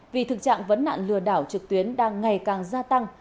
vì thực trạng vấn nạn lừa đảo trực tuyến đang ngày càng gia tăng